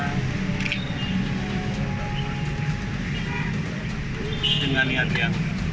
saya sangat hormat kepada saudara saudara masyarakat bio